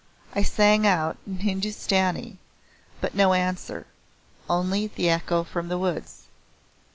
I sang out in Hindustani, but no answer: only the echo from the woods.